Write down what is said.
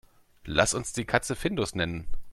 Lass uns die Katze Findus nennen.